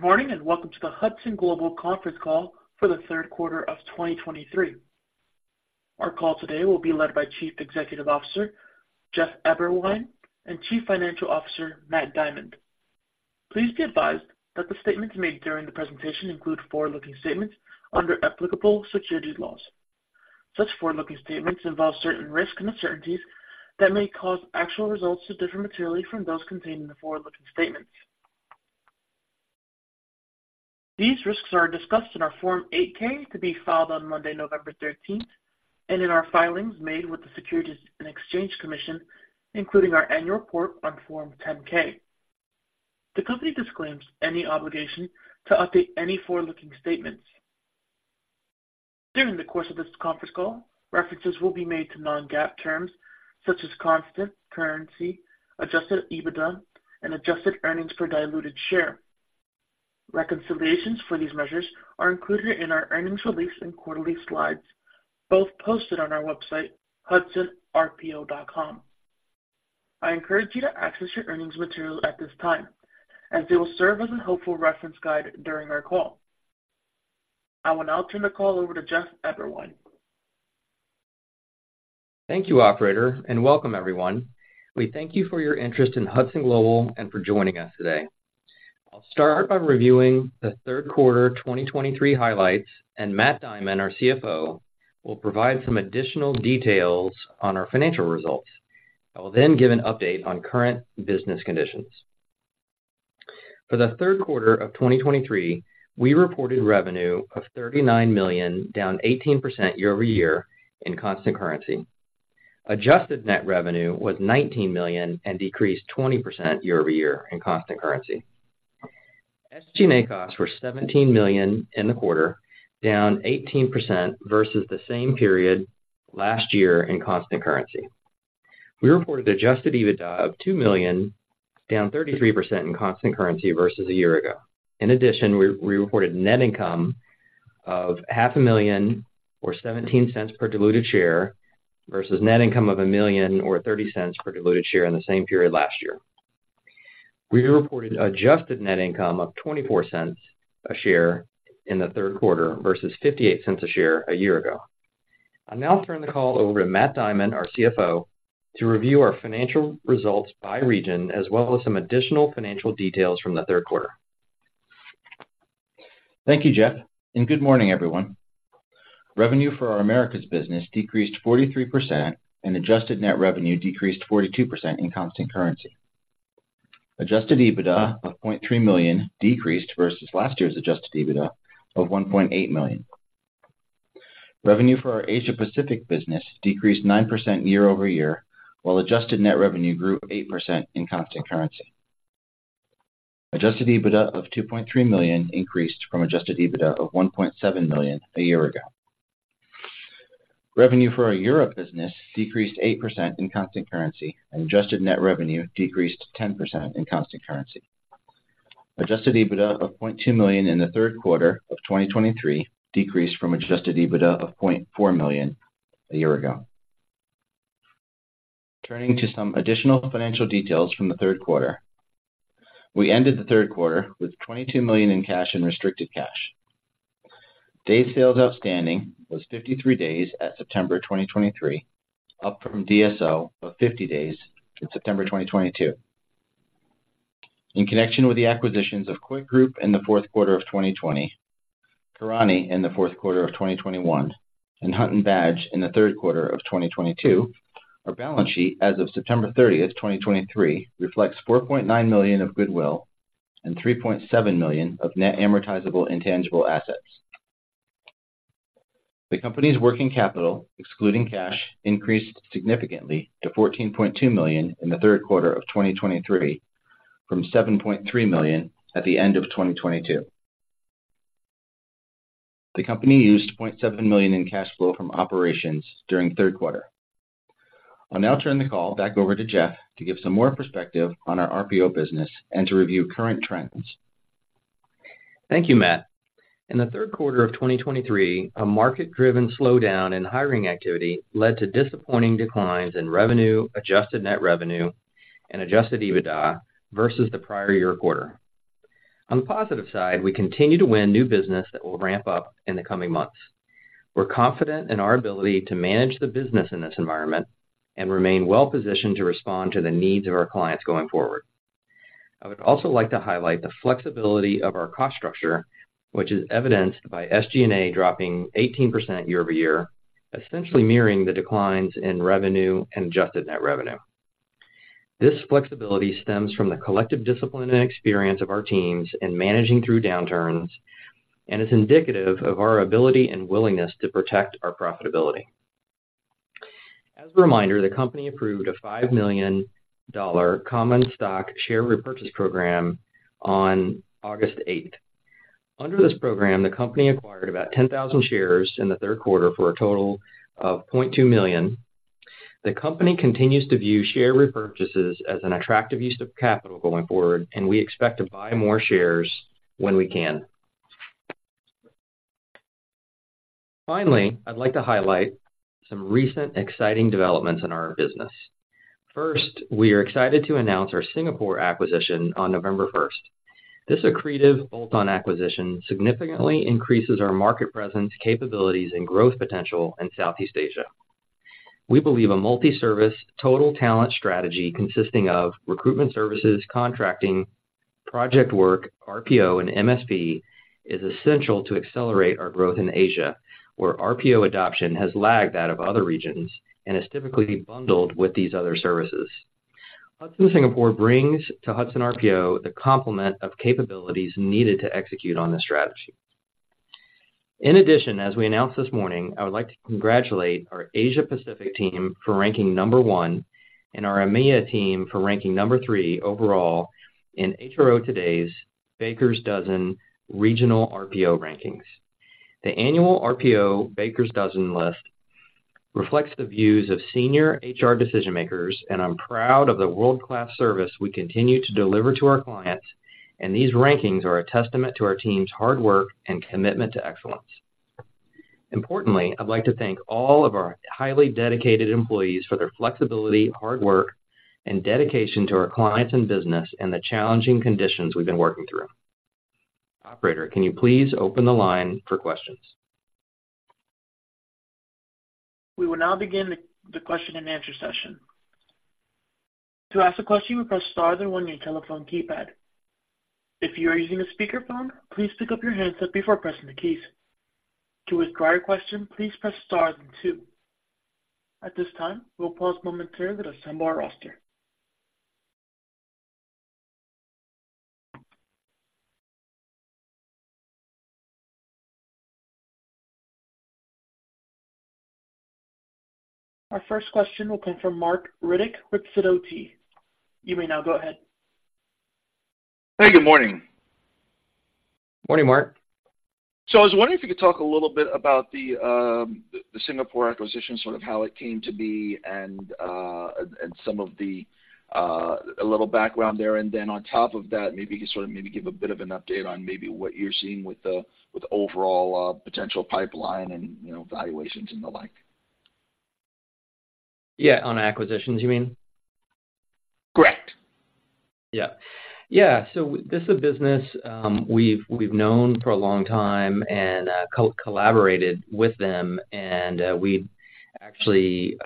Good morning, and welcome to the Hudson Global conference call for the third quarter of 2023. Our call today will be led by Chief Executive Officer, Jeff Eberwein, and Chief Financial Officer, Matt Diamond. Please be advised that the statements made during the presentation include forward-looking statements under applicable securities laws. Such forward-looking statements involve certain risks and uncertainties that may cause actual results to differ materially from those contained in the forward-looking statements. These risks are discussed in our Form 8-K, to be filed on Monday, November 13, and in our filings made with the Securities and Exchange Commission, including our annual report on Form 10-K. The company disclaims any obligation to update any forward-looking statements. During the course of this conference call, references will be made to non-GAAP terms such as constant currency, adjusted EBITDA, and adjusted earnings per diluted share. Reconciliations for these measures are included in our earnings release and quarterly slides, both posted on our website, hudsonrpo.com. I encourage you to access your earnings material at this time, as they will serve as a helpful reference guide during our call. I will now turn the call over to Jeff Eberwein. Thank you, operator, and welcome everyone. We thank you for your interest in Hudson Global and for joining us today. I'll start by reviewing the third quarter 2023 highlights, and Matt Diamond, our CFO, will provide some additional details on our financial results. I will then give an update on current business conditions. For the third quarter of 2023, we reported revenue of $39 million, down 18% year-over-year in constant currency. Adjusted net revenue was $19 million and decreased 20% year-over-year in constant currency. SG&A costs were $17 million in the quarter, down 18% versus the same period last year in constant currency. We reported adjusted EBITDA of $2 million, down 33% in constant currency versus a year ago. In addition, we reported net income of $500,000 or $0.17 per diluted share, versus net income of $1 million or $0.30 per diluted share in the same period last year. We reported adjusted net income of $0.24 a share in the third quarter versus $0.58 a share a year ago. I'll now turn the call over to Matt Diamond, our CFO, to review our financial results by region, as well as some additional financial details from the third quarter. Thank you, Jeff, and good morning, everyone. Revenue for our America's business decreased 43%, and adjusted net revenue decreased 42% in constant currency. Adjusted EBITDA of $0.3 million decreased versus last year's adjusted EBITDA of $1.8 million. Revenue for our Asia Pacific business decreased 9% year-over-year, while adjusted net revenue grew 8% in constant currency. Adjusted EBITDA of $2.3 million increased from adjusted EBITDA of $1.7 million a year ago. Revenue for our Europe business decreased 8% in constant currency, and adjusted net revenue decreased 10% in constant currency. Adjusted EBITDA of $0.2 million in the third quarter of 2023 decreased from adjusted EBITDA of $0.4 million a year ago. Turning to some additional financial details from the third quarter. We ended the third quarter with $22 million in cash and restricted cash. Days Sales Outstanding was 53 days at September 2023, up from DSO of 50 days in September 2022. In connection with the acquisitions of Coit Group in the fourth quarter of 2020, Karani in the fourth quarter of 2021, and Hunt & Badge in the third quarter of 2022, our balance sheet as of September 30th, 2023, reflects $4.9 million of goodwill and $3.7 million of net amortizable intangible assets. The company's working capital, excluding cash, increased significantly to $14.2 million in the third quarter of 2023, from $7.3 million at the end of 2022. The company used $0.7 million in cash flow from operations during the third quarter. I'll now turn the call back over to Jeff to give some more perspective on our RPO business and to review current trends. Thank you, Matt. In the third quarter of 2023, a market-driven slowdown in hiring activity led to disappointing declines in revenue, adjusted net revenue, and adjusted EBITDA versus the prior year quarter. On the positive side, we continue to win new business that will ramp up in the coming months. We're confident in our ability to manage the business in this environment and remain well positioned to respond to the needs of our clients going forward. I would also like to highlight the flexibility of our cost structure, which is evidenced by SG&A dropping 18% year-over-year, essentially mirroring the declines in revenue and adjusted net revenue. This flexibility stems from the collective discipline and experience of our teams in managing through downturns and is indicative of our ability and willingness to protect our profitability. As a reminder, the company approved a $5 million common stock share repurchase program on August 8th. Under this program, the company acquired about 10,000 shares in the third quarter for a total of $0.2 million. The company continues to view share repurchases as an attractive use of capital going forward, and we expect to buy more shares when we can.... Finally, I'd like to highlight some recent exciting developments in our business. First, we are excited to announce our Singapore acquisition on November 1st. This accretive bolt-on acquisition significantly increases our market presence, capabilities, and growth potential in Southeast Asia. We believe a multi-service, total talent strategy consisting of recruitment services, contracting, project work, RPO, and MSP is essential to accelerate our growth in Asia, where RPO adoption has lagged that of other regions and is typically bundled with these other services. Hudson Singapore brings to Hudson RPO the complement of capabilities needed to execute on this strategy. In addition, as we announced this morning, I would like to congratulate our Asia-Pacific team for ranking number 1 and our EMEA team for ranking number 3 overall in HRO Today's Baker's Dozen Regional RPO rankings. The annual RPO Baker's Dozen list reflects the views of senior HR decision-makers, and I'm proud of the world-class service we continue to deliver to our clients, and these rankings are a testament to our team's hard work and commitment to excellence. Importantly, I'd like to thank all of our highly dedicated employees for their flexibility, hard work, and dedication to our clients and business in the challenging conditions we've been working through. Operator, can you please open the line for questions? We will now begin the question and answer session. To ask a question, press star then one on your telephone keypad. If you are using a speakerphone, please pick up your handset before pressing the keys. To withdraw your question, please press star then two. At this time, we'll pause momentarily to assemble our roster. Our first question will come from Marc Riddick, Sidoti. You may now go ahead. Hey, good morning. Morning, Marc. So I was wondering if you could talk a little bit about the Singapore acquisition, sort of how it came to be and a little background there. And then on top of that, maybe sort of give a bit of an update on what you're seeing with the overall potential pipeline and, you know, valuations and the like. Yeah. On acquisitions, you mean? Correct. Yeah. Yeah, so this is a business we've known for a long time and collaborated with them, and we actually...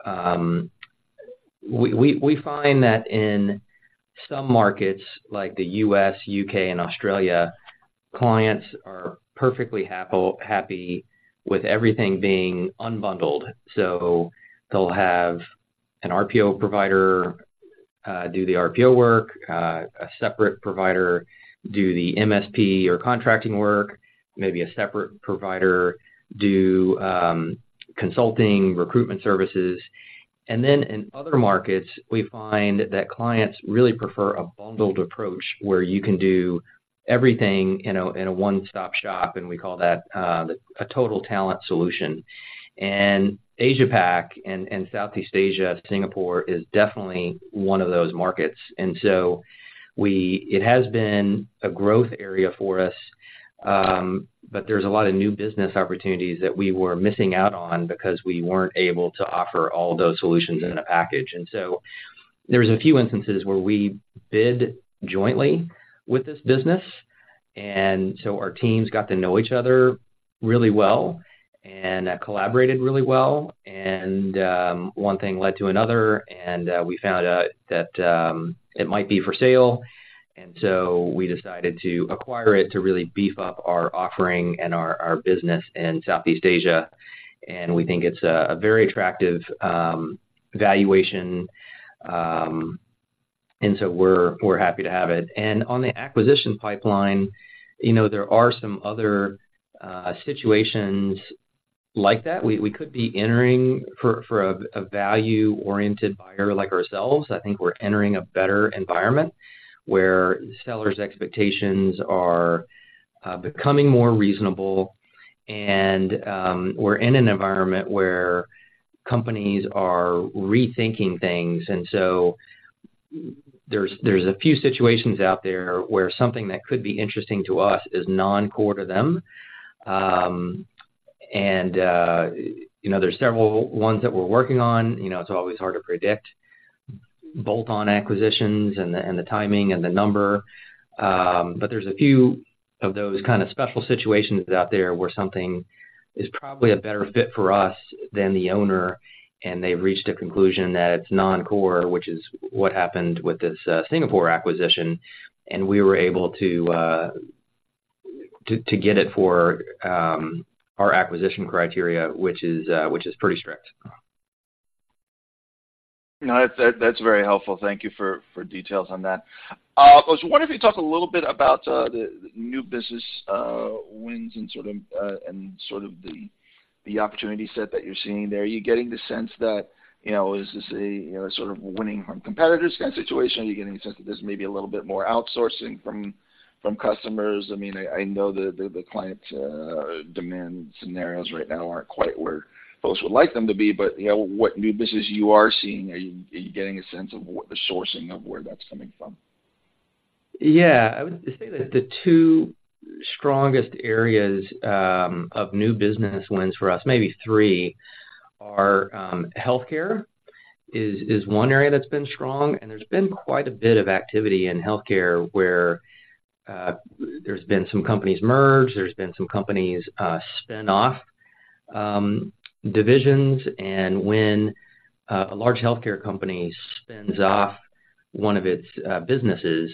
We find that in some markets, like the US, UK, and Australia, clients are perfectly happy with everything being unbundled. So they'll have an RPO provider do the RPO work, a separate provider do the MSP or contracting work, maybe a separate provider do consulting, recruitment services. And then in other markets, we find that clients really prefer a bundled approach, where you can do everything in a one-stop shop, and we call that a total talent solution. And Asia Pac and Southeast Asia, Singapore is definitely one of those markets. And so it has been a growth area for us, but there's a lot of new business opportunities that we were missing out on because we weren't able to offer all those solutions in a package. And so there's a few instances where we bid jointly with this business, and so our teams got to know each other really well and collaborated really well. And one thing led to another, and we found out that it might be for sale, and so we decided to acquire it to really beef up our offering and our, our business in Southeast Asia. And we think it's a, a very attractive valuation, and so we're, we're happy to have it. And on the acquisition pipeline, you know, there are some other situations like that. We could be entering, for a value-oriented buyer like ourselves. I think we're entering a better environment, where sellers' expectations are becoming more reasonable, and we're in an environment where companies are rethinking things. And so there's a few situations out there where something that could be interesting to us is non-core to them. You know, there's several ones that we're working on. You know, it's always hard to predict bolt-on acquisitions and the timing, and the number, but there's a few of those kind of special situations out there, where something is probably a better fit for us than the owner, and they've reached a conclusion that it's non-core, which is what happened with this Singapore acquisition, and we were able to get it for our acquisition criteria, which is pretty strict. No, that's very helpful. Thank you for details on that. I was wondering if you could talk a little bit about the new business wins and sort of and sort of the opportunity set that you're seeing there. Are you getting the sense that, you know, is this a, you know, sort of winning from competitors kind of situation? Are you getting a sense that this may be a little bit more outsourcing from customers? I mean, I know the client demand scenarios right now aren't quite where folks would like them to be, but, you know, what new business you are seeing, are you getting a sense of what the sourcing of where that's coming from? Yeah, I would say that the two strongest areas of new business wins for us, maybe three, are healthcare is one area that's been strong, and there's been quite a bit of activity in healthcare where there's been some companies merged, there's been some companies spin off divisions. And when a large healthcare company spins off one of its businesses,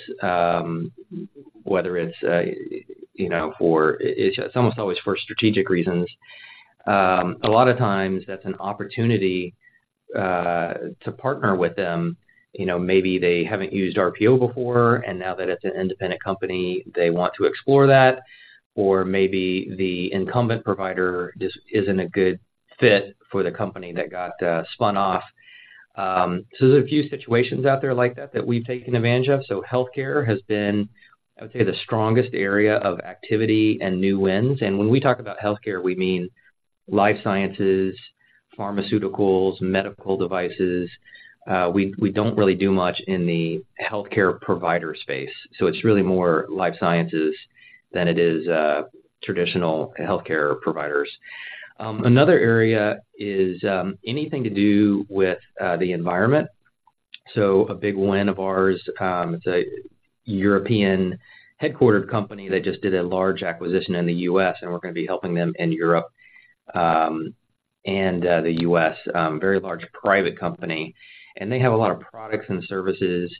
whether it's you know it's almost always for strategic reasons. A lot of times that's an opportunity to partner with them. You know, maybe they haven't used RPO before, and now that it's an independent company, they want to explore that, or maybe the incumbent provider just isn't a good fit for the company that got spun off. So there's a few situations out there like that, that we've taken advantage of. So healthcare has been, I would say, the strongest area of activity and new wins. When we talk about healthcare, we mean Life Sciences, pharmaceuticals, medical devices. We don't really do much in the healthcare provider space, so it's really more Life Sciences than it is traditional healthcare providers. Another area is anything to do with the environment. So a big win of ours, it's a European-headquartered company that just did a large acquisition in the US, and we're gonna be helping them in Europe and the US Very large private company, and they have a lot of products and services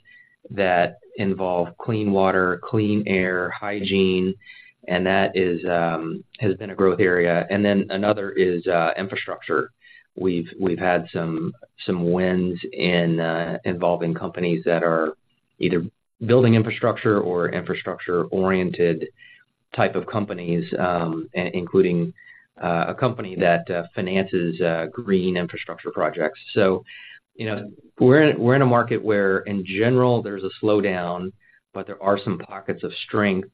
that involve clean water, clean air, hygiene, and that has been a growth area. And then another is infrastructure. We've had some wins involving companies that are either building infrastructure or infrastructure-oriented type of companies, including a company that finances green infrastructure projects. So, you know, we're in a market where, in general, there's a slowdown, but there are some pockets of strength.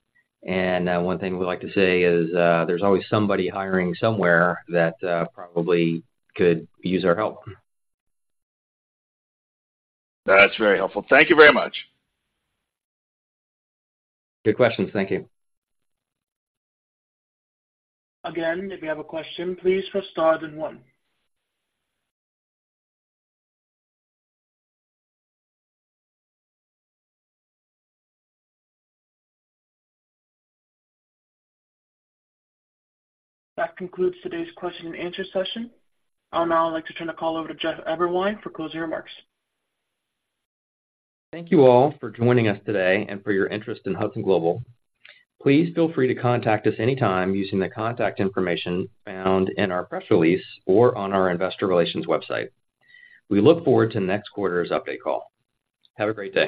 And, one thing we like to say is, there's always somebody hiring somewhere that probably could use our help. That's very helpful. Thank you very much. Good questions. Thank you. Again, if you have a question, please press star then one. That concludes today's question and answer session. I'll now like to turn the call over to Jeff Eberwein for closing remarks. Thank you all for joining us today and for your interest in Hudson Global. Please feel free to contact us anytime using the contact information found in our press release or on our investor relations website. We look forward to next quarter's update call. Have a great day.